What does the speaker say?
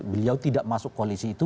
beliau tidak masuk koalisi itu